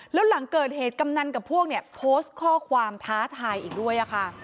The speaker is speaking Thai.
แล้วหลังเกิดเหตุกำนันกับพวกเนี่ยโพสต์ข้อความท้าทายอีกด้วยค่ะ